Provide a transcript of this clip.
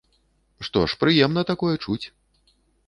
Што ж прыемна такое чуць!